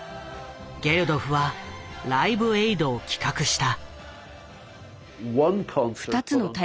ゲルドフは「ライブエイド」を企画した。